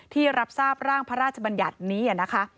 ที่รับทราบร่างพระราชบัญญัตินี้นะคะ